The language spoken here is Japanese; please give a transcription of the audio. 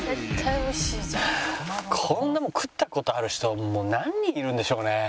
こんなもん食った事ある人何人いるんでしょうね？